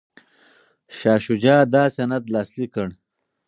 شاه شجاع دا سند لاسلیک کړ.